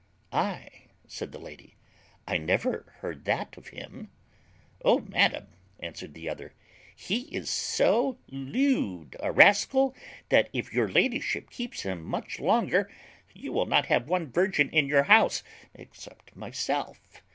"Ay!" said the lady, "I never heard that of him." "O madam!" answered the other, "he is so lewd a rascal, that if your ladyship keeps him much longer, you will not have one virgin in your house except myself.